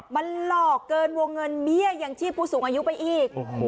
มันหลอกเกินวงเงินเบี้ยยังชีพผู้สูงอายุไปอีก